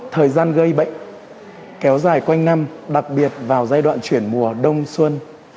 thời gian gây bệnh kéo dài quanh năm đặc biệt vào giai đoạn chuyển mùa đông xuân